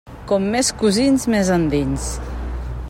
Com més cosins, més endins.